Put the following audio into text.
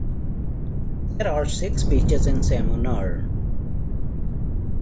There are six beaches in Simunur.